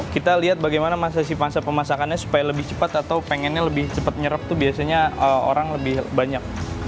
kita lihat bagaimana masa sih masa pemasakannya supaya lebih cepat atau pengennya lebih cepat nyerep itu biasanya orang lebih banyak